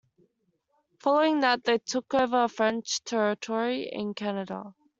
Following that, they took over French territory in Canada.